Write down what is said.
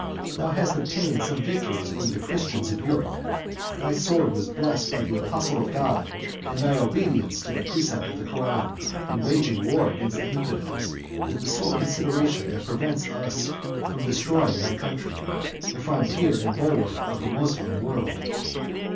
Thou hast obtained some victories over the Christians of Europe; thy sword was blessed by the apostle of God; and thy obedience to the precept of the Koran, in waging war against the infidels, is the sole consideration that prevents us from destroying thy country, the frontier and bulwark of the Moslem world.